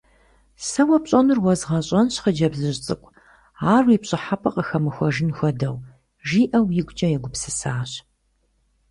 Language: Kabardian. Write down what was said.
Сэ уэ пщӏэнур уэзгъэщӏэнщ, хъыджэбзыжь цӏыкӏу, ар уи пщӏыхьэпӏэ къыхэмыхуэжын хуэдэу,— жиӏэу игукӏэ егупсысащ.